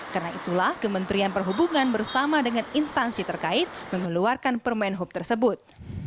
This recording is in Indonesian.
karena itulah kementerian perhubungan bersama dengan instansi terkait mengeluarkan permenhub tersebut